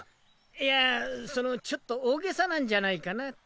いやそのちょっと大げさなんじゃないかなと。